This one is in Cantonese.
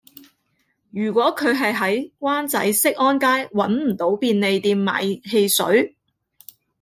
如果佢喺灣仔適安街搵唔到便利店買汽水